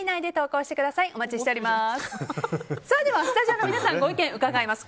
スタジオの皆さんご意見伺います。